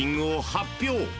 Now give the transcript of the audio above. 発表］